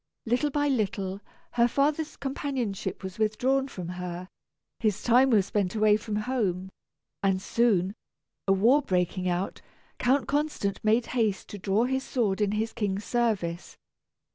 Little by little, her father's companionship was withdrawn from her; his time was spent away from home, and soon, a war breaking out, Count Constant made haste to draw his sword in his king's service.